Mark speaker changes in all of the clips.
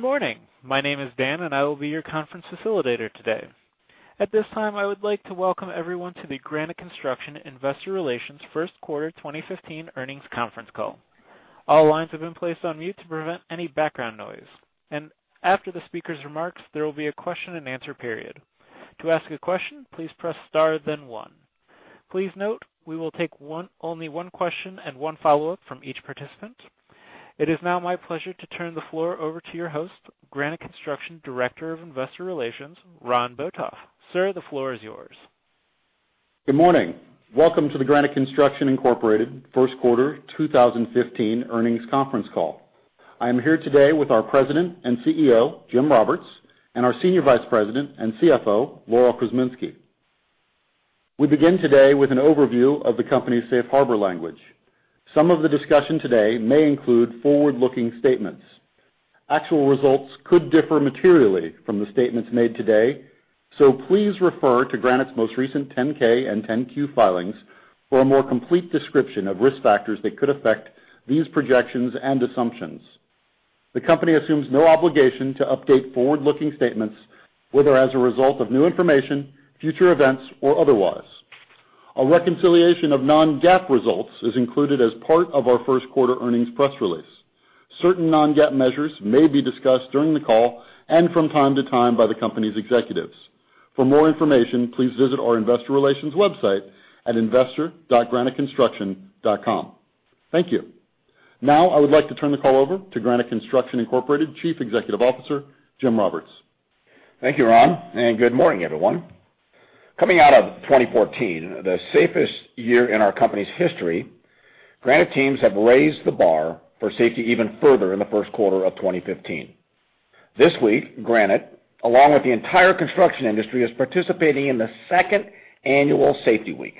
Speaker 1: Good morning. My name is Dan, and I will be your conference facilitator today. At this time, I would like to welcome everyone to the Granite Construction Investor Relations First Quarter 2015 Earnings Conference Call. All lines have been placed on mute to prevent any background noise, and after the speaker's remarks, there will be a question-and-answer period. To ask a question, please press star, then one. Please note, we will take one - only one question and one follow-up from each participant. It is now my pleasure to turn the floor over to your host, Granite Construction, Director of Investor Relations, Ron Botoff. Sir, the floor is yours.
Speaker 2: Good morning. Welcome to the Granite Construction Incorporated First Quarter 2015 Earnings Conference Call. I am here today with our President and CEO, Jim Roberts, and our Senior Vice President and CFO, Laurel Krzeminski. We begin today with an overview of the company's safe harbor language. Some of the discussion today may include forward-looking statements. Actual results could differ materially from the statements made today, so please refer to Granite's most recent 10-K and 10-Q filings for a more complete description of risk factors that could affect these projections and assumptions. The company assumes no obligation to update forward-looking statements, whether as a result of new information, future events, or otherwise. A reconciliation of non-GAAP results is included as part of our first quarter earnings press release. Certain non-GAAP measures may be discussed during the call and from time to time by the company's executives. For more information, please visit our investor relations website at investor.graniteconstruction.com. Thank you. Now, I would like to turn the call over to Granite Construction Incorporated, Chief Executive Officer, Jim Roberts.
Speaker 3: Thank you, Ron, and good morning, everyone. Coming out of 2014, the safest year in our company's history, Granite teams have raised the bar for safety even further in the first quarter of 2015. This week, Granite, along with the entire construction industry, is participating in the second annual Safety Week.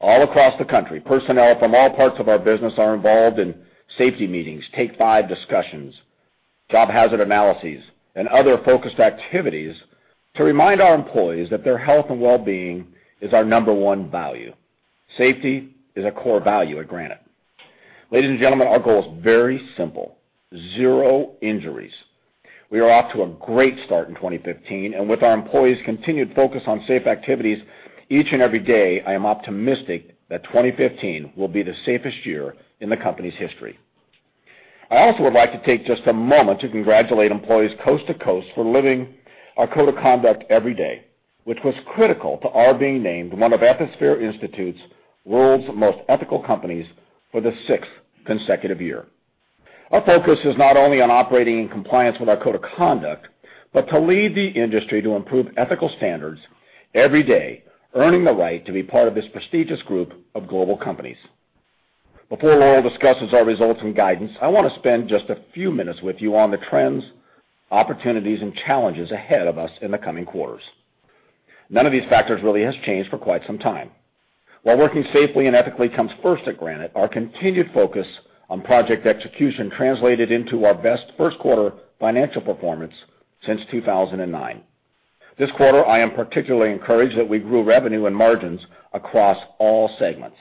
Speaker 3: All across the country, personnel from all parts of our business are involved in safety meetings, take five discussions, job hazard analyses, and other focused activities to remind our employees that their health and well-being is our number one value. Safety is a core value at Granite. Ladies and gentlemen, our goal is very simple: zero injuries. We are off to a great start in 2015, and with our employees' continued focus on safe activities each and every day, I am optimistic that 2015 will be the safest year in the company's history. I also would like to take just a moment to congratulate employees coast to coast for living our code of conduct every day, which was critical to our being named one of Ethisphere Institute's World's Most Ethical Companies for the sixth consecutive year. Our focus is not only on operating in compliance with our code of conduct, but to lead the industry to improve ethical standards every day, earning the right to be part of this prestigious group of global companies. Before Laurel discusses our results and guidance, I want to spend just a few minutes with you on the trends, opportunities, and challenges ahead of us in the coming quarters. None of these factors really has changed for quite some time. While working safely and ethically comes first at Granite, our continued focus on project execution translated into our best first quarter financial performance since 2009. This quarter, I am particularly encouraged that we grew revenue and margins across all segments.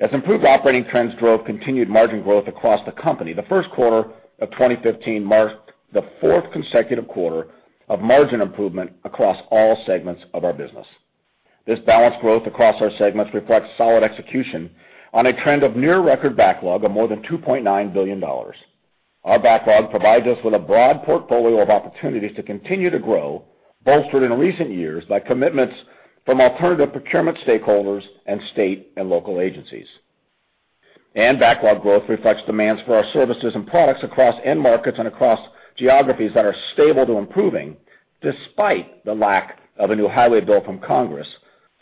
Speaker 3: As improved operating trends drove continued margin growth across the company, the first quarter of 2015 marked the fourth consecutive quarter of margin improvement across all segments of our business. This balanced growth across our segments reflects solid execution on a trend of near-record backlog of more than $2.9 billion. Our backlog provides us with a broad portfolio of opportunities to continue to grow, bolstered in recent years by commitments from alternative procurement stakeholders and state and local agencies. Backlog growth reflects demands for our services and products across end markets and across geographies that are stable to improving, despite the lack of a new highway bill from Congress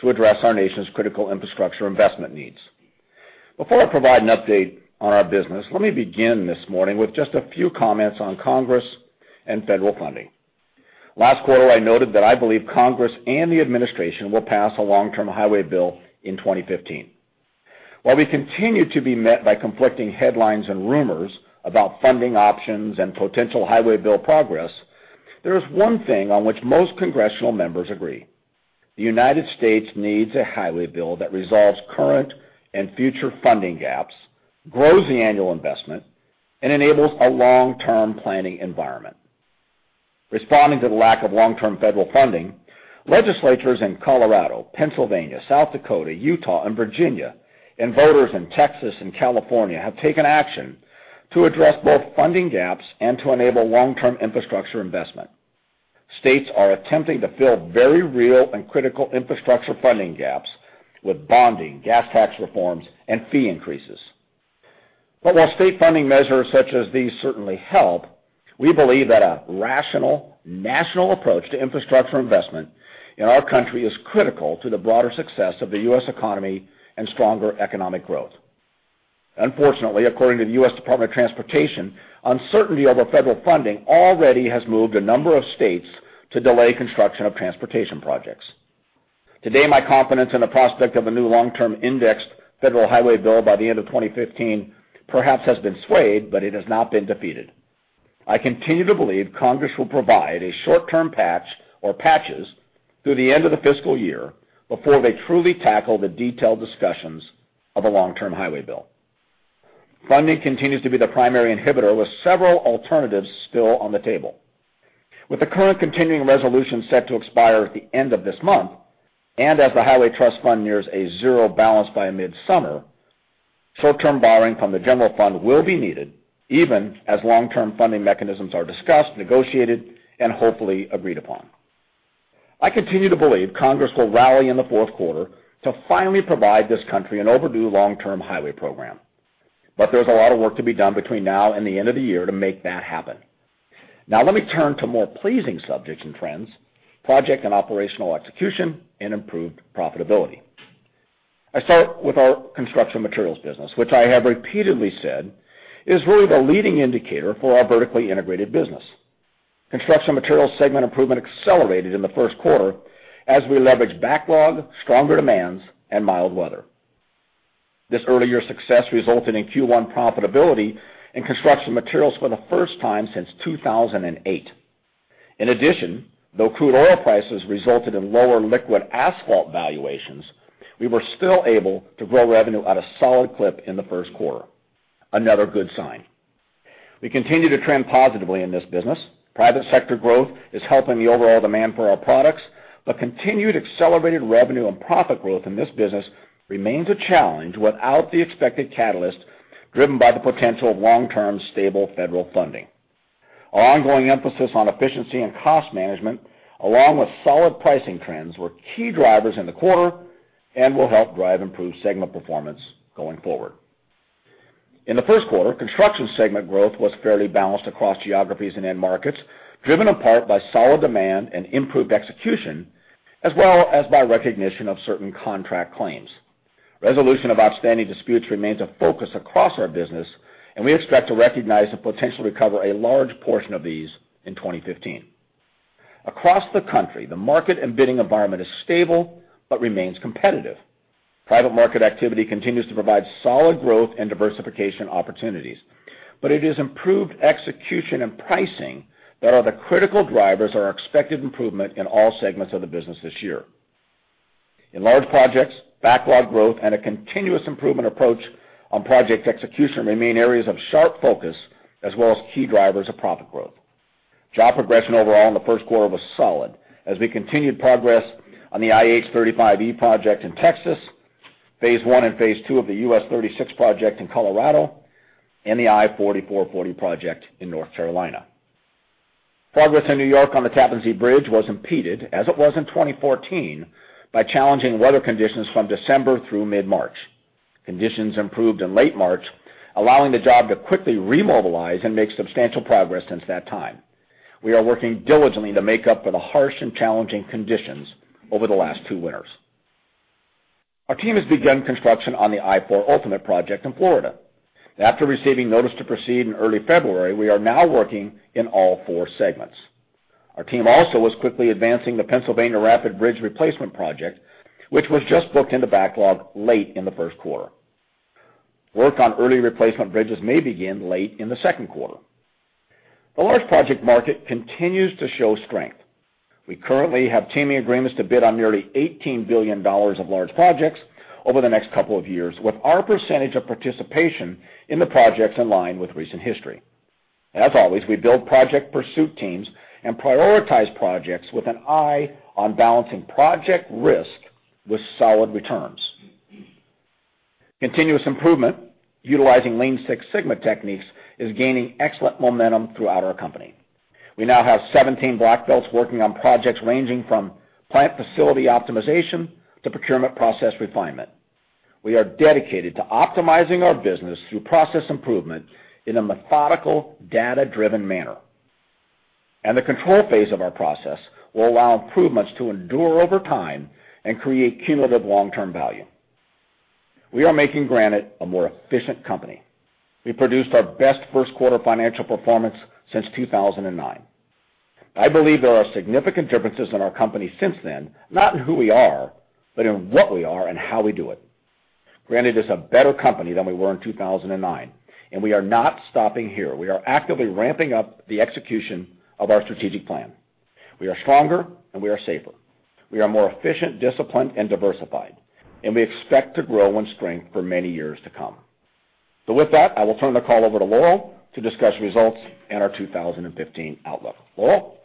Speaker 3: to address our nation's critical infrastructure investment needs. Before I provide an update on our business, let me begin this morning with just a few comments on Congress and federal funding. Last quarter, I noted that I believe Congress and the administration will pass a long-term highway bill in 2015. While we continue to be met by conflicting headlines and rumors about funding options and potential highway bill progress, there is one thing on which most congressional members agree: the United States needs a highway bill that resolves current and future funding gaps, grows the annual investment, and enables a long-term planning environment. Responding to the lack of long-term federal funding, legislators in Colorado, Pennsylvania, South Dakota, Utah, and Virginia, and voters in Texas and California have taken action to address both funding gaps and to enable long-term infrastructure investment. States are attempting to fill very real and critical infrastructure funding gaps with bonding, gas tax reforms, and fee increases. But while state funding measures such as these certainly help, we believe that a rational, national approach to infrastructure investment in our country is critical to the broader success of the U.S. economy and stronger economic growth. Unfortunately, according to the U.S. Department of Transportation, uncertainty over federal funding already has moved a number of states to delay construction of transportation projects. Today, my confidence in the prospect of a new long-term indexed federal highway bill by the end of 2015, perhaps, has been swayed, but it has not been defeated. I continue to believe Congress will provide a short-term patch or patches through the end of the fiscal year before they truly tackle the detailed discussions of a long-term highway bill. Funding continues to be the primary inhibitor, with several alternatives still on the table. With the current continuing resolution set to expire at the end of this month, and as the Highway Trust Fund nears a zero balance by mid-summer, short-term borrowing from the general fund will be needed, even as long-term funding mechanisms are discussed, negotiated, and hopefully agreed upon. I continue to believe Congress will rally in the fourth quarter to finally provide this country an overdue long-term highway program. But there's a lot of work to be done between now and the end of the year to make that happen. Now, let me turn to more pleasing subjects and trends, project and operational execution, and improved profitability. I start with our construction materials business, which I have repeatedly said is really the leading indicator for our vertically integrated business. Construction materials segment improvement accelerated in the first quarter as we leveraged backlog, stronger demands, and mild weather. This early year success resulted in Q1 profitability in construction materials for the first time since 2008. In addition, though crude oil prices resulted in lower liquid asphalt valuations, we were still able to grow revenue at a solid clip in the first quarter. Another good sign. We continue to trend positively in this business. Private sector growth is helping the overall demand for our products, but continued accelerated revenue and profit growth in this business remains a challenge without the expected catalyst, driven by the potential of long-term, stable federal funding. Our ongoing emphasis on efficiency and cost management, along with solid pricing trends, were key drivers in the quarter and will help drive improved segment performance going forward. In the first quarter, construction segment growth was fairly balanced across geographies and end markets, driven in part by solid demand and improved execution, as well as by recognition of certain contract claims. Resolution of outstanding disputes remains a focus across our business, and we expect to recognize and potentially recover a large portion of these in 2015. Across the country, the market and bidding environment is stable but remains competitive. Private market activity continues to provide solid growth and diversification opportunities, but it is improved execution and pricing that are the critical drivers of our expected improvement in all segments of the business this year. In large projects, backlog growth and a continuous improvement approach on project execution remain areas of sharp focus as well as key drivers of profit growth. Job progression overall in the first quarter was solid as we continued progress on the I-35E project in Texas, phase I and phase II of the US-36 project in Colorado, and the I-40/I-440 project in North Carolina. Progress in New York on the Tappan Zee Bridge was impeded, as it was in 2014, by challenging weather conditions from December through mid-March. Conditions improved in late March, allowing the job to quickly remobilize and make substantial progress since that time. We are working diligently to make up for the harsh and challenging conditions over the last two winters. Our team has begun construction on the I-4 Ultimate project in Florida. After receiving notice to proceed in early February, we are now working in all four segments. Our team also was quickly advancing the Pennsylvania Rapid Bridge Replacement project, which was just booked into backlog late in the first quarter. Work on early replacement bridges may begin late in the second quarter. The large project market continues to show strength. We currently have teaming agreements to bid on nearly $18 billion of large projects over the next couple of years, with our percentage of participation in the projects in line with recent history. As always, we build project pursuit teams and prioritize projects with an eye on balancing project risk with solid returns. Continuous improvement, utilizing Lean Six Sigma techniques, is gaining excellent momentum throughout our company. We now have 17 black belts working on projects ranging from plant facility optimization to procurement process refinement. We are dedicated to optimizing our business through process improvement in a methodical, data-driven manner. The control phase of our process will allow improvements to endure over time and create cumulative long-term value. We are making Granite a more efficient company. We produced our best first quarter financial performance since 2009. I believe there are significant differences in our company since then, not in who we are, but in what we are and how we do it. Granite is a better company than we were in 2009, and we are not stopping here. We are actively ramping up the execution of our strategic plan. We are stronger, and we are safer. We are more efficient, disciplined, and diversified, and we expect to grow in strength for many years to come. So with that, I will turn the call over to Laurel to discuss results and our 2015 outlook. Laurel?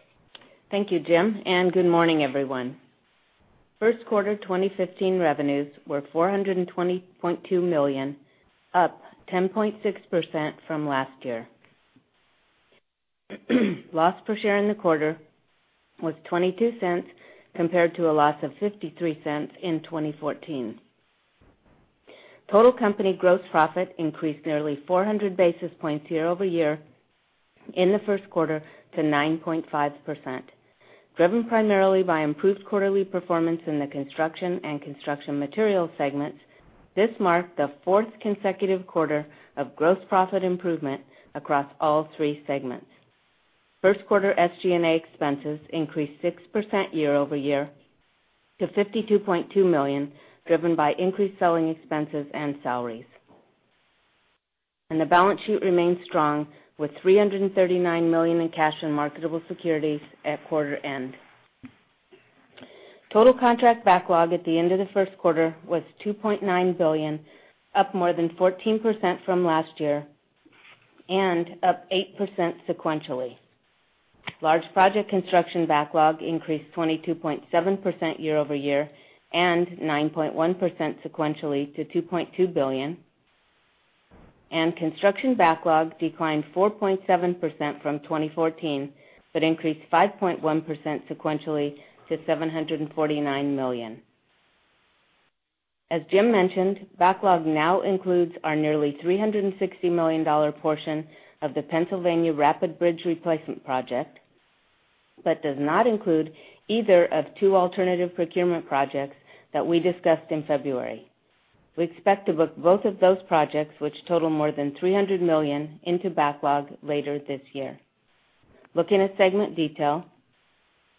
Speaker 4: Thank you, Jim, and good morning, everyone. First quarter 2015 revenues were $420.2 million, up 10.6% from last year. Loss per share in the quarter was $0.22, compared to a loss of $0.53 in 2014. Total company gross profit increased nearly 400 basis points year-over-year in the first quarter to 9.5%, driven primarily by improved quarterly performance in the construction and construction materials segments. This marked the fourth consecutive quarter of gross profit improvement across all three segments. First quarter SG&A expenses increased 6% year-over-year to $52.2 million, driven by increased selling expenses and salaries, and the balance sheet remains strong, with $339 million in cash and marketable securities at quarter end. Total contract backlog at the end of the first quarter was $2.9 billion, up more than 14% from last year and up 8% sequentially. Large project construction backlog increased 22.7% year-over-year and 9.1% sequentially to $2.2 billion, and construction backlog declined 4.7% from 2014, but increased 5.1% sequentially to $749 million. As Jim mentioned, backlog now includes our nearly $360 million portion of the Pennsylvania Rapid Bridge Replacement project, but does not include either of two alternative procurement projects that we discussed in February. We expect to book both of those projects, which total more than $300 million, into backlog later this year. Looking at segment detail,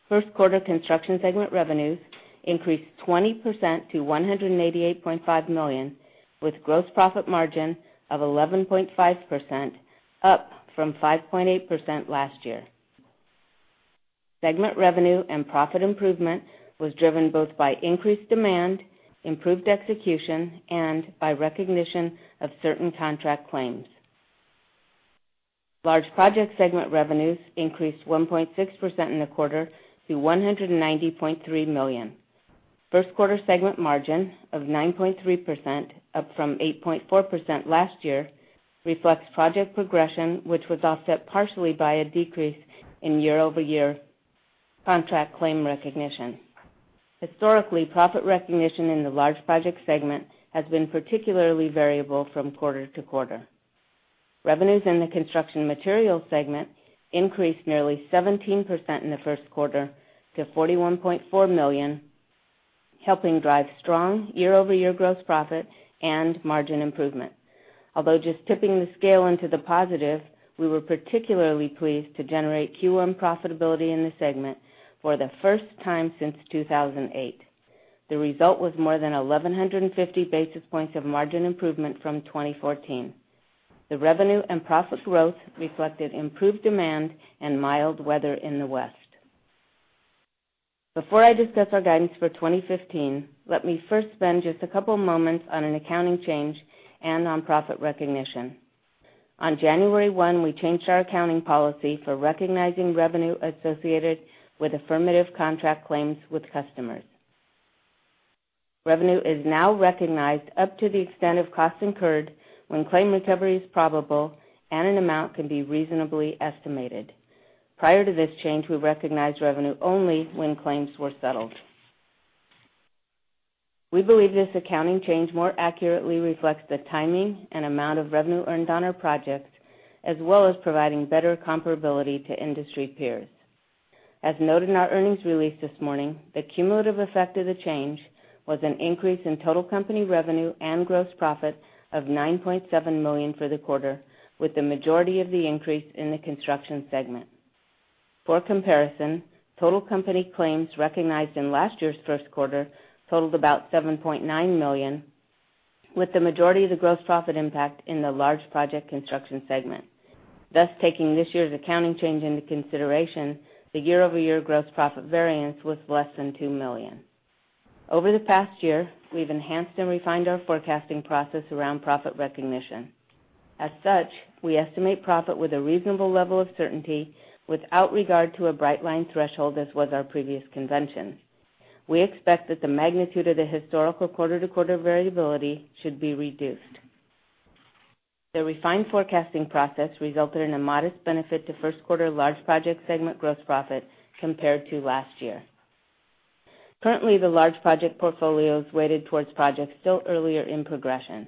Speaker 4: first quarter construction segment revenues increased 20% to $188.5 million, with gross profit margin of 11.5%, up from 5.8% last year. Segment revenue and profit improvement was driven both by increased demand, improved execution, and by recognition of certain contract claims. Large project segment revenues increased 1.6% in the quarter to $190.3 million. First quarter segment margin of 9.3%, up from 8.4% last year, reflects project progression, which was offset partially by a decrease in year-over-year contract claim recognition. Historically, profit recognition in the large project segment has been particularly variable from quarter to quarter. Revenues in the construction materials segment increased nearly 17% in the first quarter to $41.4 million, helping drive strong year-over-year gross profit and margin improvement. Although just tipping the scale into the positive, we were particularly pleased to generate Q1 profitability in the segment for the first time since 2008. The result was more than 1,150 basis points of margin improvement from 2014. The revenue and profit growth reflected improved demand and mild weather in the West. Before I discuss our guidance for 2015, let me first spend just a couple moments on an accounting change and on profit recognition. On January one, we changed our accounting policy for recognizing revenue associated with affirmative contract claims with customers. Revenue is now recognized up to the extent of costs incurred when claim recovery is probable and an amount can be reasonably estimated. Prior to this change, we recognized revenue only when claims were settled. We believe this accounting change more accurately reflects the timing and amount of revenue earned on our projects, as well as providing better comparability to industry peers. As noted in our earnings release this morning, the cumulative effect of the change was an increase in total company revenue and gross profit of $9.7 million for the quarter, with the majority of the increase in the construction segment. For comparison, total company claims recognized in last year's first quarter totaled about $7.9 million, with the majority of the gross profit impact in the large project construction segment. Thus, taking this year's accounting change into consideration, the year-over-year gross profit variance was less than $2 million. Over the past year, we've enhanced and refined our forecasting process around profit recognition. As such, we estimate profit with a reasonable level of certainty without regard to a bright line threshold, as was our previous convention. We expect that the magnitude of the historical quarter-to-quarter variability should be reduced. The refined forecasting process resulted in a modest benefit to first quarter large project segment gross profit compared to last year. Currently, the large project portfolio is weighted towards projects still earlier in progression,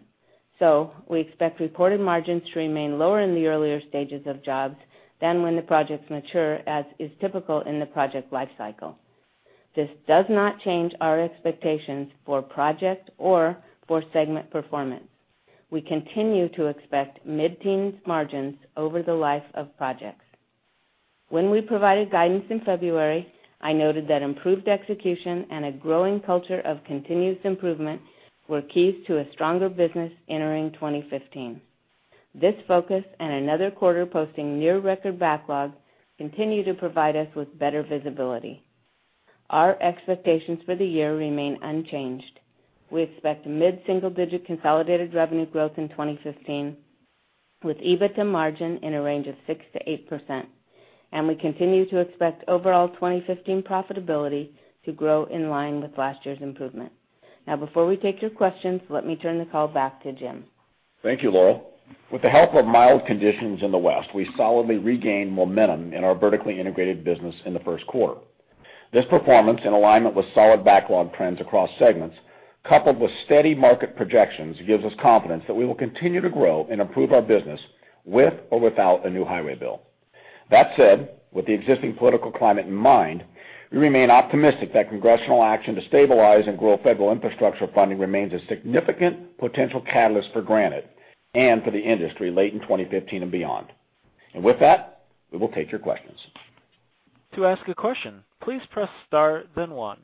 Speaker 4: so we expect reported margins to remain lower in the earlier stages of jobs than when the projects mature, as is typical in the project life cycle. This does not change our expectations for project or for segment performance. We continue to expect mid-teens margins over the life of projects. When we provided guidance in February, I noted that improved execution and a growing culture of continuous improvement were keys to a stronger business entering 2015. This focus and another quarter posting near record backlog continue to provide us with better visibility. Our expectations for the year remain unchanged. We expect mid-single-digit consolidated revenue growth in 2015, with EBITDA margin in a range of 6%-8%, and we continue to expect overall 2015 profitability to grow in line with last year's improvement. Now, before we take your questions, let me turn the call back to Jim.
Speaker 3: Thank you, Laurel. With the help of mild conditions in the West, we solidly regained momentum in our vertically integrated business in the first quarter. This performance, in alignment with solid backlog trends across segments, coupled with steady market projections, gives us confidence that we will continue to grow and improve our business with or without a new highway bill. That said, with the existing political climate in mind, we remain optimistic that congressional action to stabilize and grow federal infrastructure funding remains a significant potential catalyst for Granite and for the industry late in 2015 and beyond. With that, we will take your questions.
Speaker 1: ...To ask a question, please press star, then one.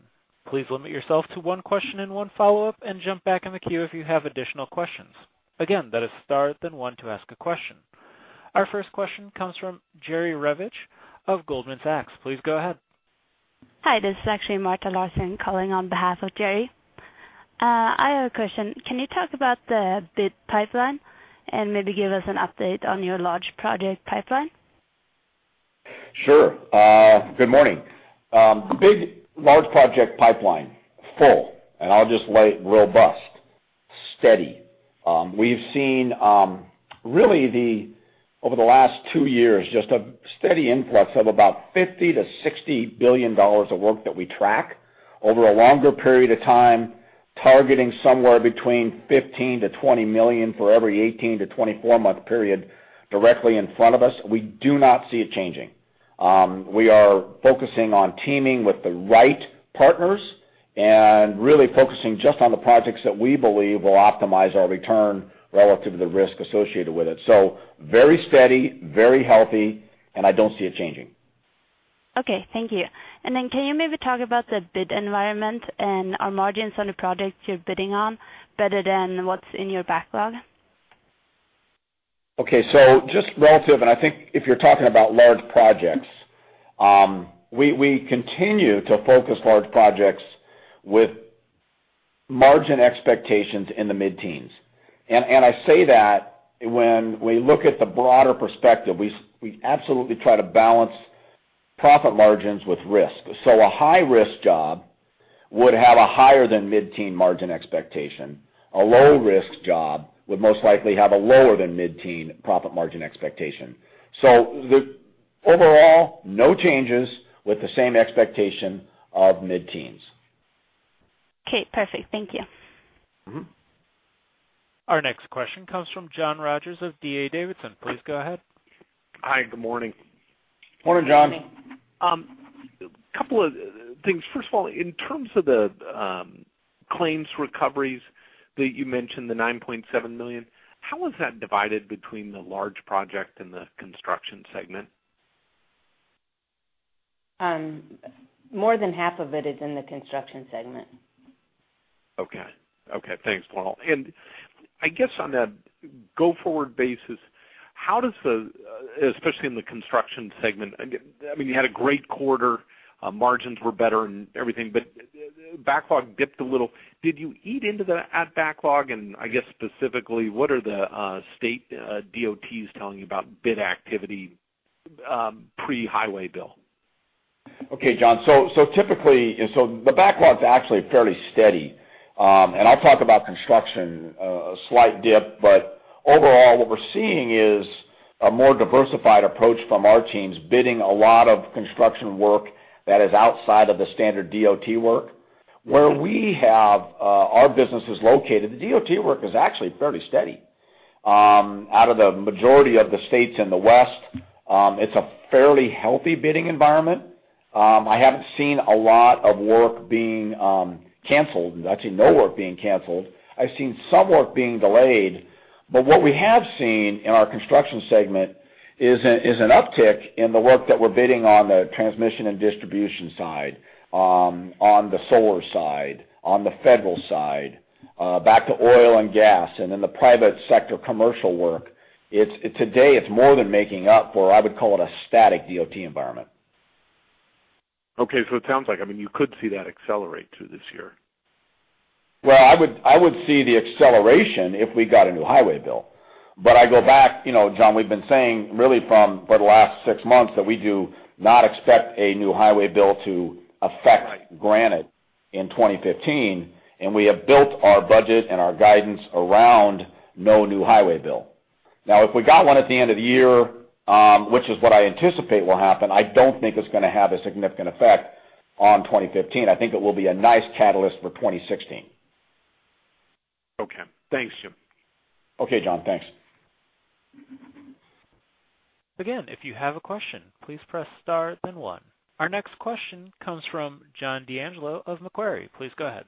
Speaker 1: Please limit yourself to one question and one follow-up, and jump back in the queue if you have additional questions. Again, that is star, then one to ask a question. Our first question comes from Jerry Revich of Goldman Sachs. Please go ahead.
Speaker 5: Hi, this is actually Marta Larsen calling on behalf of Jerry. I have a question. Can you talk about the bid pipeline and maybe give us an update on your large project pipeline?
Speaker 3: Sure. Good morning. Big, large project pipeline full, and I'll just lay it robust, steady. We've seen really over the last two years just a steady influx of about $50 billion-$60 billion of work that we track over a longer period of time, targeting somewhere between $15 million-$20 million for every 18-24-month period directly in front of us. We do not see it changing. We are focusing on teaming with the right partners and really focusing just on the projects that we believe will optimize our return relative to the risk associated with it. So very steady, very healthy, and I don't see it changing.
Speaker 5: Okay, thank you. And then, can you maybe talk about the bid environment, and are margins on the projects you're bidding on better than what's in your backlog?
Speaker 3: Okay. So just relative, and I think if you're talking about large projects, we continue to focus large projects with margin expectations in the mid-teens. And I say that when we look at the broader perspective, we absolutely try to balance profit margins with risk. So a high-risk job would have a higher than mid-teen margin expectation. A low-risk job would most likely have a lower than mid-teen profit margin expectation. So the... Overall, no changes with the same expectation of mid-teens.
Speaker 5: Okay, perfect. Thank you.
Speaker 3: Mm-hmm.
Speaker 1: Our next question comes from John Rogers of D.A. Davidson. Please go ahead.
Speaker 6: Hi, good morning.
Speaker 3: Morning, John.
Speaker 6: A couple of things. First of all, in terms of the claims recoveries that you mentioned, the $9.7 million, how is that divided between the large project and the construction segment?
Speaker 4: More than 1/2 of it is in the construction segment.
Speaker 6: Okay. Okay, thanks, Laurel. And I guess on a go-forward basis, how does the especially in the construction segment, I mean, you had a great quarter, margins were better and everything, but the backlog dipped a little. Did you eat into the backlog? And I guess specifically, what are the state DOTs telling you about bid activity, pre-highway bill?
Speaker 3: Okay, John. So typically, and so the backlog is actually fairly steady. And I'll talk about construction, a slight dip, but overall, what we're seeing is a more diversified approach from our teams, bidding a lot of construction work that is outside of the standard DOT work. Where we have our businesses located, the DOT work is actually fairly steady. Out of the majority of the states in the West, it's a fairly healthy bidding environment. I haven't seen a lot of work being canceled. I've seen no work being canceled. I've seen some work being delayed, but what we have seen in our construction segment is an uptick in the work that we're bidding on the transmission and distribution side, on the solar side, on the federal side, back to oil and gas, and in the private sector, commercial work. It's today, it's more than making up for, I would call it a static DOT environment.
Speaker 6: Okay, so it sounds like, I mean, you could see that accelerate through this year?
Speaker 3: Well, I would see the acceleration if we got a new highway bill. But I go back, you know, John, we've been saying really for the last six months, that we do not expect a new highway bill to affect Granite in 2015, and we have built our budget and our guidance around no new highway bill. Now, if we got one at the end of the year, which is what I anticipate will happen, I don't think it's gonna have a significant effect on 2015. I think it will be a nice catalyst for 2016.
Speaker 6: Okay. Thanks, Jim.
Speaker 3: Okay, John. Thanks.
Speaker 1: Again, if you have a question, please press star then one. Our next question comes from John D'Angelo of Macquarie. Please go ahead.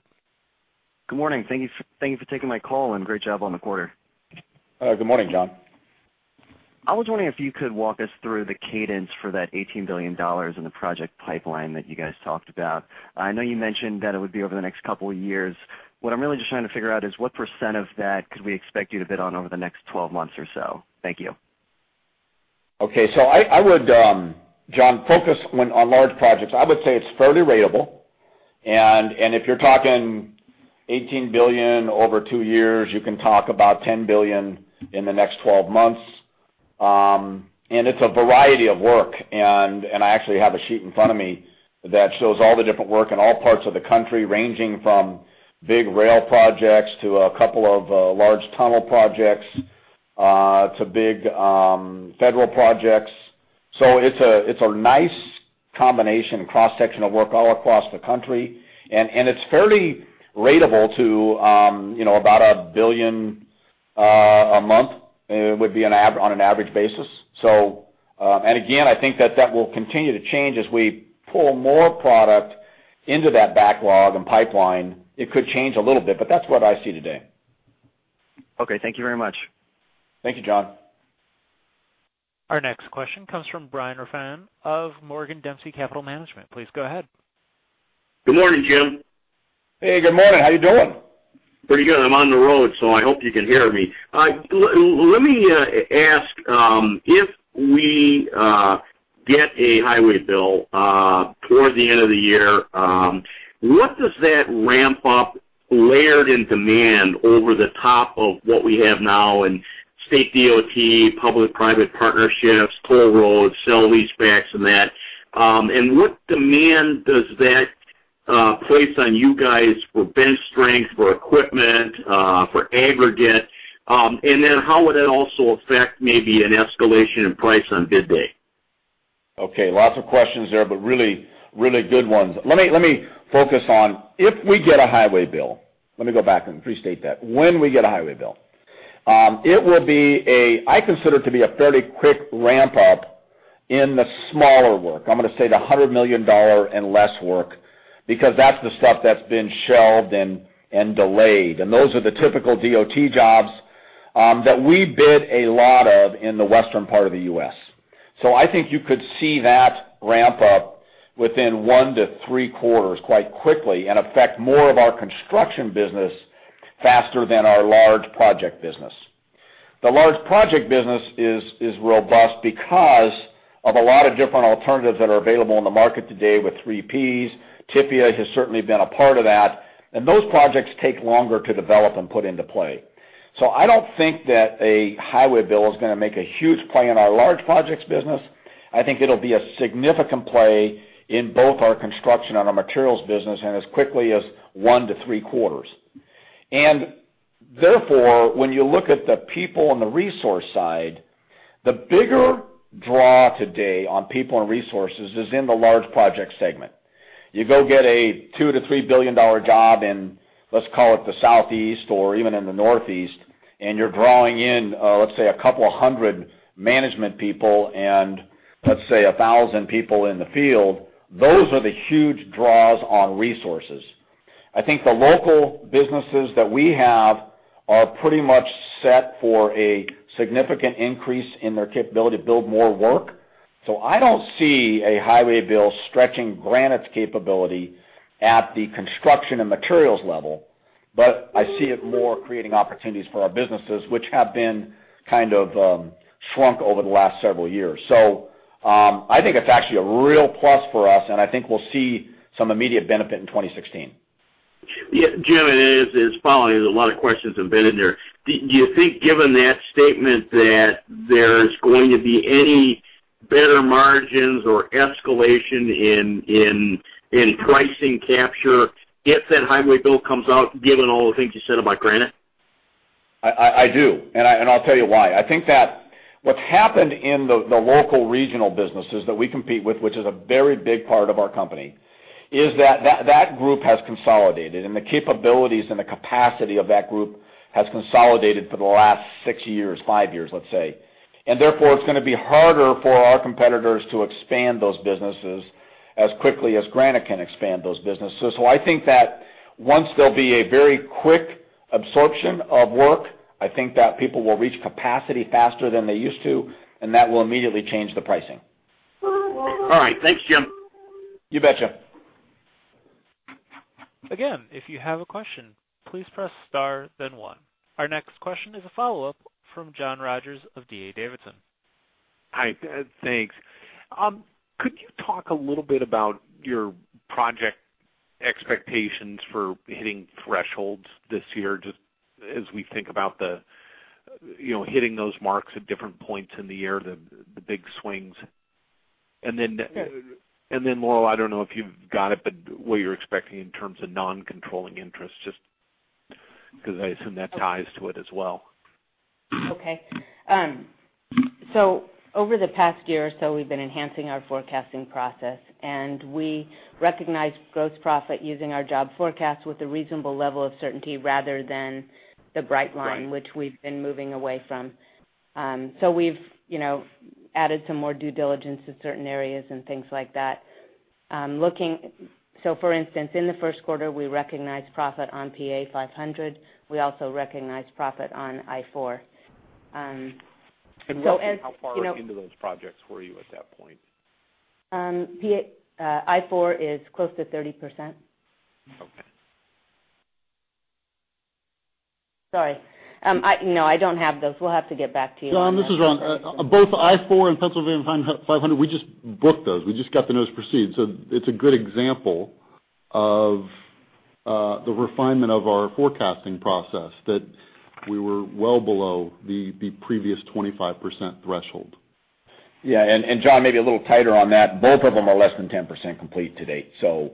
Speaker 7: Good morning. Thank you for, thank you for taking my call, and great job on the quarter.
Speaker 3: Good morning, John.
Speaker 7: I was wondering if you could walk us through the cadence for that $18 billion in the project pipeline that you guys talked about. I know you mentioned that it would be over the next couple of years. What I'm really just trying to figure out is what % of that could we expect you to bid on over the next 12 months or so? Thank you.
Speaker 3: Okay. So I would, John, focus when on large projects, I would say it's fairly ratable. And if you're talking $18 billion over two years, you can talk about $10 billion in the next 12 months. And it's a variety of work, and I actually have a sheet in front of me that shows all the different work in all parts of the country, ranging from big rail projects to a couple of large tunnel projects to big federal projects. So it's a nice combination, cross-section of work all across the country, and it's fairly ratable to, you know, about $1 billion a month would be an average basis. So, and again, I think that that will continue to change as we pull more product into that backlog and pipeline. It could change a little bit, but that's what I see today....
Speaker 7: Okay, thank you very much.
Speaker 3: Thank you, John.
Speaker 1: Our next question comes from Brian Rafn of Morgan Dempsey Capital Management. Please go ahead.
Speaker 8: Good morning, Jim.
Speaker 3: Hey, good morning. How you doing?
Speaker 8: Pretty good. I'm on the road, so I hope you can hear me. Let me ask, if we get a highway bill toward the end of the year, what does that ramp up layered in demand over the top of what we have now in state DOT, public-private partnerships, toll roads, sale-leasebacks, and that? And what demand does that place on you guys for bench strength, for equipment, for aggregate? And then how would that also affect maybe an escalation in price on bid day?
Speaker 3: Okay, lots of questions there, but really, really good ones. Let me, let me focus on if we get a highway bill. Let me go back and restate that. When we get a highway bill, it will be a, I consider it to be a fairly quick ramp-up in the smaller work. I'm gonna say the $100 million and less work, because that's the stuff that's been shelved and delayed, and those are the typical DOT jobs that we bid a lot of in the western part of the US. So I think you could see that ramp up within 1-3 quarters, quite quickly, and affect more of our construction business faster than our large project business. The large project business is robust because of a lot of different alternatives that are available in the market today with three Ps. TIFIA has certainly been a part of that, and those projects take longer to develop and put into play. So I don't think that a highway bill is gonna make a huge play in our large projects business. I think it'll be a significant play in both our construction and our materials business, and as quickly as 1 to 3 quarters. And therefore, when you look at the people on the resource side, the bigger draw today on people and resources is in the large project segment. You go get a $2 billion-$3 billion job in, let's call it, the Southeast or even in the Northeast, and you're drawing in, let's say, a couple of hundred management people and let's say 1,000 people in the field, those are the huge draws on resources. I think the local businesses that we have are pretty much set for a significant increase in their capability to build more work. So I don't see a highway bill stretching Granite's capability at the construction and materials level, but I see it more creating opportunities for our businesses, which have been kind of, shrunk over the last several years. So, I think it's actually a real plus for us, and I think we'll see some immediate benefit in 2016.
Speaker 8: Yeah, Jim, and as follows, there's a lot of questions embedded in there. Do you think, given that statement, that there's going to be any better margins or escalation in pricing capture if that highway bill comes out, given all the things you said about Granite?
Speaker 3: I do, and I'll tell you why. I think that what's happened in the local regional businesses that we compete with, which is a very big part of our company, is that that group has consolidated, and the capabilities and the capacity of that group has consolidated for the last six years, five years, let's say. And therefore, it's gonna be harder for our competitors to expand those businesses as quickly as Granite can expand those businesses. So I think that once there'll be a very quick absorption of work, I think that people will reach capacity faster than they used to, and that will immediately change the pricing.
Speaker 8: All right. Thanks, Jim.
Speaker 3: You betcha.
Speaker 1: Again, if you have a question, please press star, then one. Our next question is a follow-up from John Rogers of D.A. Davidson.
Speaker 6: Hi, thanks. Could you talk a little bit about your project expectations for hitting thresholds this year, just as we think about, you know, hitting those marks at different points in the year, the big swings? And then, Laurel, I don't know if you've got it, but what you're expecting in terms of non-controlling interests, just 'cause I assume that ties to it as well.
Speaker 4: Okay. So over the past year or so, we've been enhancing our forecasting process, and we recognize gross profit using our job forecast with a reasonable level of certainty rather than the bright line-
Speaker 6: Right.
Speaker 4: - which we've been moving away from. So we've, you know, added some more due diligence to certain areas and things like that. So for instance, in the first quarter, we recognized profit on PA500. We also recognized profit on I-4. So as, you know-
Speaker 6: Roughly how far into those projects were you at that point?
Speaker 4: PA, I-4 is close to 30%.
Speaker 6: Okay.
Speaker 4: Sorry. No, I don't have those. We'll have to get back to you on that.
Speaker 2: John, this is Ron. Both I-4 and Pennsylvania 500, we just booked those. We just got the notice to proceed. So it's a good example of the refinement of our forecasting process, that we were well below the previous 25% threshold.
Speaker 3: Yeah, and John, maybe a little tighter on that, both of them are less than 10% complete to date. So,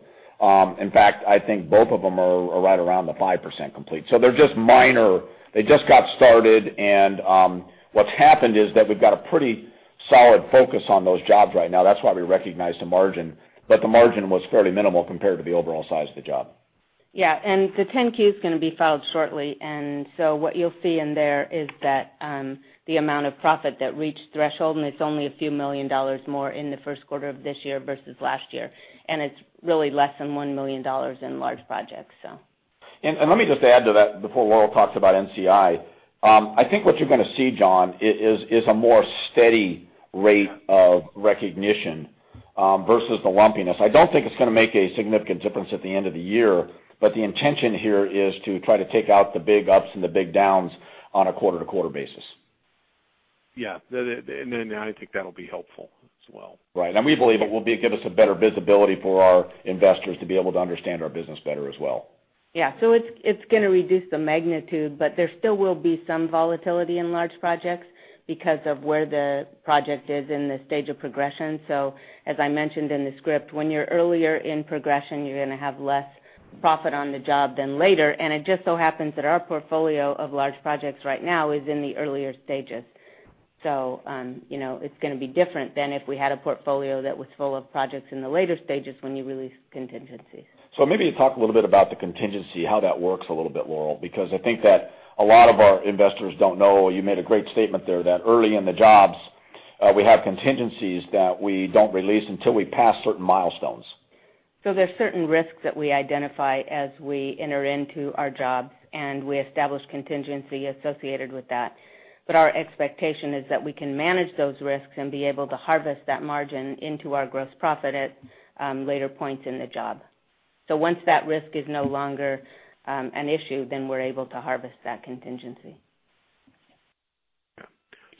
Speaker 3: in fact, I think both of them are right around the 5% complete. So they're just minor. They just got started, and what's happened is that we've got a pretty solid focus on those jobs right now. That's why we recognized the margin, but the margin was fairly minimal compared to the overall size of the job.
Speaker 4: Yeah, and the 10-Q is gonna be filed shortly, and so what you'll see in there is that the amount of profit that reached threshold, and it's only a few million dollars more in the first quarter of this year versus last year, and it's really less than $1 million in large projects, so. ...
Speaker 3: And let me just add to that before Laurel talks about NCI. I think what you're gonna see, John, is a more steady rate of recognition versus the lumpiness. I don't think it's gonna make a significant difference at the end of the year, but the intention here is to try to take out the big ups and the big downs on a quarter-to-quarter basis.
Speaker 6: Yeah, and then I think that'll be helpful as well.
Speaker 3: Right. And we believe it will be, give us a better visibility for our investors to be able to understand our business better as well.
Speaker 4: Yeah. So it's gonna reduce the magnitude, but there still will be some volatility in large projects because of where the project is in the stage of progression. So as I mentioned in the script, when you're earlier in progression, you're gonna have less profit on the job than later. And it just so happens that our portfolio of large projects right now is in the earlier stages. So, you know, it's gonna be different than if we had a portfolio that was full of projects in the later stages when you release contingency.
Speaker 3: So maybe talk a little bit about the contingency, how that works a little bit, Laurel, because I think that a lot of our investors don't know. You made a great statement there, that early in the jobs, we have contingencies that we don't release until we pass certain milestones.
Speaker 4: There's certain risks that we identify as we enter into our jobs, and we establish contingency associated with that. But our expectation is that we can manage those risks and be able to harvest that margin into our gross profit at later points in the job. Once that risk is no longer an issue, then we're able to harvest that contingency.
Speaker 6: Yeah.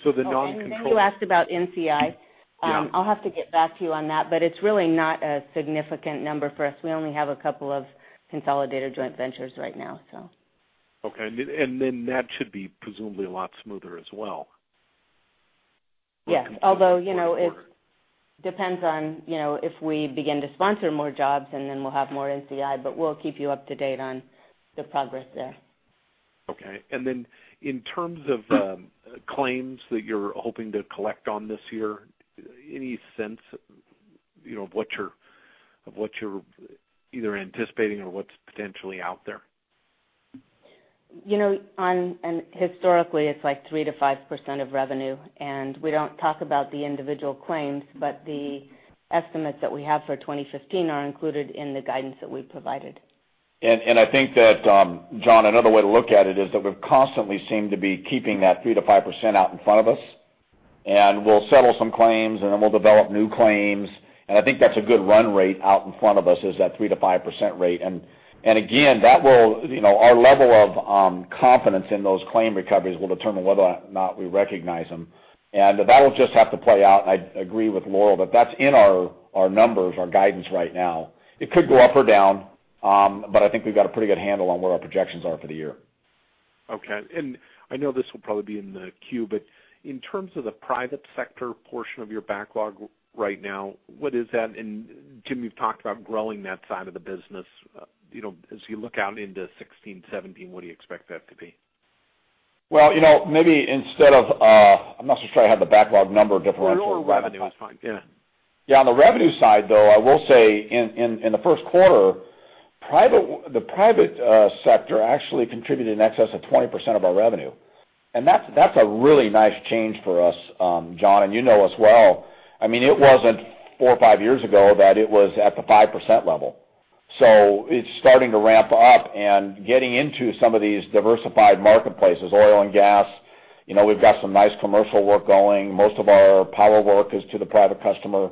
Speaker 6: So the non-control-
Speaker 4: Oh, and then you asked about NCI.
Speaker 6: Yeah.
Speaker 4: I'll have to get back to you on that, but it's really not a significant number for us. We only have a couple of consolidated joint ventures right now, so.
Speaker 6: Okay. And then, and then that should be presumably a lot smoother as well.
Speaker 4: Yes. Although, you know, it depends on, you know, if we begin to sponsor more jobs, and then we'll have more NCI, but we'll keep you up to date on the progress there.
Speaker 6: Okay. And then in terms of claims that you're hoping to collect on this year, any sense, you know, of what you're either anticipating or what's potentially out there?
Speaker 4: You know, and historically, it's like 3%-5% of revenue, and we don't talk about the individual claims, but the estimates that we have for 2015 are included in the guidance that we've provided.
Speaker 3: I think that, John, another way to look at it is that we've constantly seemed to be keeping that 3%-5% out in front of us, and we'll settle some claims, and then we'll develop new claims. I think that's a good run rate out in front of us, is that 3%-5% rate. And again, that will, you know, our level of confidence in those claim recoveries will determine whether or not we recognize them, and that will just have to play out. I agree with Laurel, that that's in our, our numbers, our guidance right now. It could go up or down, but I think we've got a pretty good handle on where our projections are for the year.
Speaker 6: Okay. And I know this will probably be in the queue, but in terms of the private sector portion of your backlog right now, what is that? And Jim, you've talked about growing that side of the business. You know, as you look out into 2016, 2017, what do you expect that to be?
Speaker 3: Well, you know, maybe instead of, I'm not so sure I have the backlog number differential-
Speaker 6: Your revenue is fine. Yeah.
Speaker 3: Yeah, on the revenue side, though, I will say in the first quarter, the private sector actually contributed in excess of 20% of our revenue. And that's a really nice change for us, John, and you know as well. I mean, it wasn't four or five years ago that it was at the 5% level. So it's starting to ramp up and getting into some of these diversified marketplaces, oil and gas. You know, we've got some nice commercial work going. Most of our power work is to the private customer.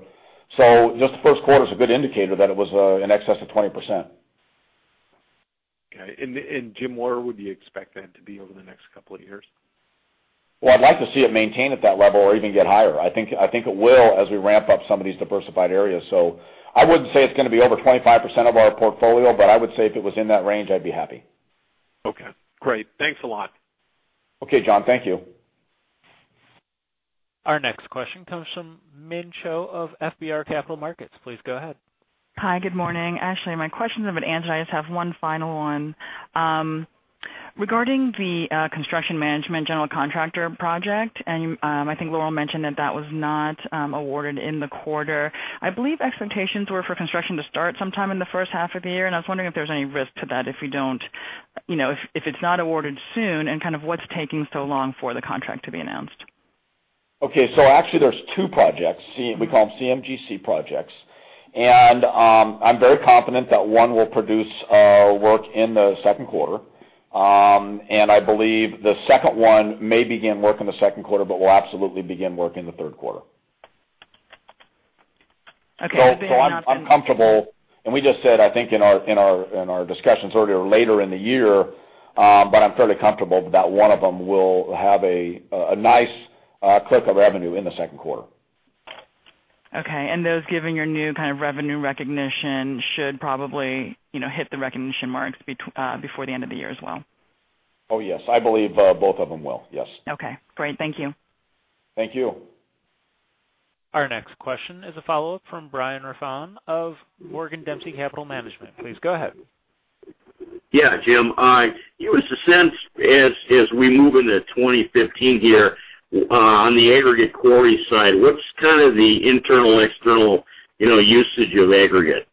Speaker 3: So just the first quarter is a good indicator that it was in excess of 20%.
Speaker 6: Okay. And, Jim, where would you expect that to be over the next couple of years?
Speaker 3: Well, I'd like to see it maintained at that level or even get higher. I think, I think it will, as we ramp up some of these diversified areas. So I wouldn't say it's gonna be over 25% of our portfolio, but I would say if it was in that range, I'd be happy.
Speaker 6: Okay, great. Thanks a lot.
Speaker 3: Okay, John. Thank you.
Speaker 1: Our next question comes from Min Cho of FBR Capital Markets. Please go ahead.
Speaker 9: Hi, good morning. Actually, my questions have been answered. I just have one final one. Regarding the construction management general contractor project, and I think Laurel mentioned that that was not awarded in the quarter. I believe expectations were for construction to start sometime in the first half of the year, and I was wondering if there's any risk to that if you don't, you know, if it's not awarded soon, and kind of what's taking so long for the contract to be announced?
Speaker 3: Okay. So actually there's two projects, we call them CMGC projects. And, I'm very confident that one will produce, work in the second quarter. And, I believe the second one may begin work in the second quarter, but will absolutely begin work in the third quarter.
Speaker 9: Okay.
Speaker 3: So I'm comfortable, and we just said, I think, in our discussions earlier, later in the year, but I'm fairly comfortable that one of them will have a nice clip of revenue in the second quarter.
Speaker 9: Okay. And those, giving your new kind of revenue recognition, should probably, you know, hit the recognition marks before the end of the year as well?
Speaker 3: Oh, yes. I believe both of them will. Yes.
Speaker 9: Okay, great. Thank you.
Speaker 3: Thank you.
Speaker 1: Our next question is a follow-up from Brian Rafn of Morgan Dempsey Capital Management. Please go ahead.
Speaker 8: Yeah, Jim, give us a sense, as we move into 2015 here, on the aggregate quarry side, what's kind of the internal-external, you know, usage of aggregate?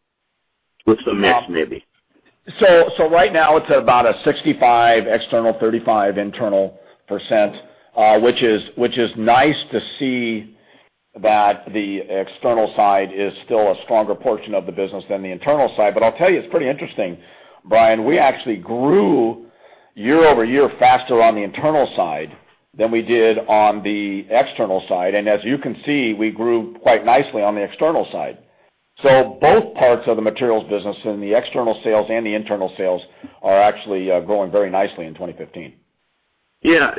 Speaker 8: What's the mix maybe?
Speaker 3: So right now, it's about a 65% external, 35% internal, which is, which is nice to see that the external side is still a stronger portion of the business than the internal side. But I'll tell you, it's pretty interesting, Brian. We actually grew year-over-year faster on the internal side than we did on the external side. And as you can see, we grew quite nicely on the external side. So both parts of the materials business and the external sales and the internal sales are actually going very nicely in 2015.
Speaker 8: Yeah,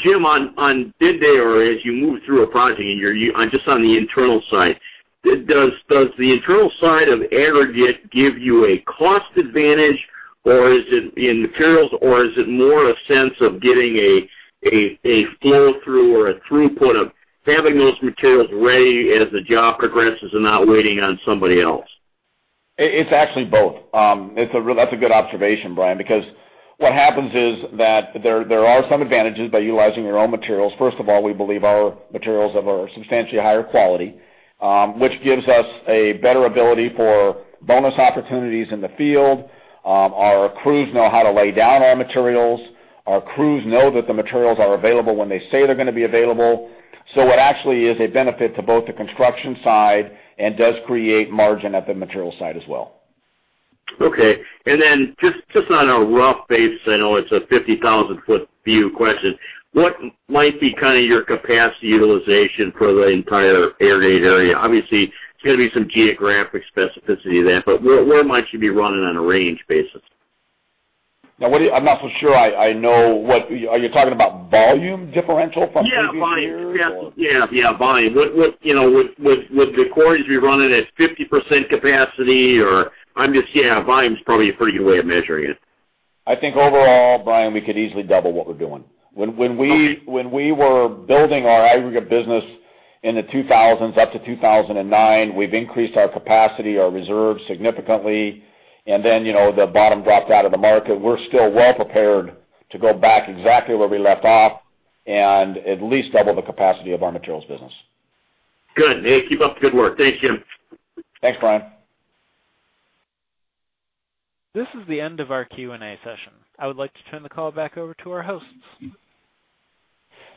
Speaker 8: Jim, on bid day, or as you move through a project and you're just on the internal side, does the internal side of aggregate give you a cost advantage, or is it in materials, or is it more a sense of getting a flow-through or a throughput of having those materials ready as the job progresses and not waiting on somebody else?
Speaker 3: It's actually both. That's a good observation, Brian, because what happens is that there are some advantages by utilizing your own materials. First of all, we believe our materials have a substantially higher quality, which gives us a better ability for bonus opportunities in the field. Our crews know how to lay down our materials. Our crews know that the materials are available when they say they're gonna be available. So it actually is a benefit to both the construction side and does create margin at the material side as well.
Speaker 8: Okay, and then just, just on a rough basis, I know it's a 50,000-foot view question, what might be kind of your capacity utilization for the entire aggregate area? Obviously, there's gonna be some geographic specificity there, but where, where might you be running on a range basis?
Speaker 3: Now, what do you-- I'm not so sure I, I know what... Are you talking about volume differential from previous years?
Speaker 8: Yeah, volume. Yeah, yeah, volume. What, you know, would the quarries be running at 50% capacity, or I'm just... Yeah, volume is probably a pretty good way of measuring it.
Speaker 3: I think overall, Brian, we could easily double what we're doing. When we-
Speaker 8: Okay.
Speaker 3: When we were building our aggregate business in the 2000s, up to 2009, we've increased our capacity, our reserves significantly, and then, you know, the bottom dropped out of the market. We're still well prepared to go back exactly where we left off and at least double the capacity of our materials business.
Speaker 8: Good. Hey, keep up the good work. Thanks, Jim.
Speaker 3: Thanks, Brian.
Speaker 1: This is the end of our Q&A session. I would like to turn the call back over to our hosts.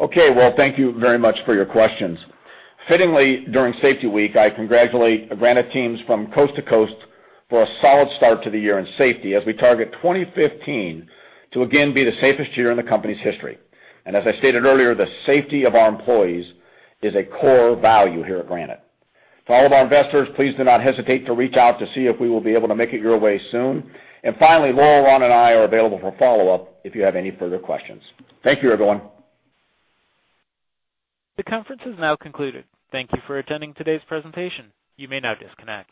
Speaker 3: Okay. Well, thank you very much for your questions. Fittingly, during Safety Week, I congratulate Granite teams from coast to coast for a solid start to the year in safety as we target 2015 to again be the safest year in the company's history. And as I stated earlier, the safety of our employees is a core value here at Granite. For all of our investors, please do not hesitate to reach out to see if we will be able to make it your way soon. And finally, Laurel, Ron, and I are available for follow-up if you have any further questions. Thank you, everyone.
Speaker 1: The conference is now concluded. Thank you for attending today's presentation. You may now disconnect.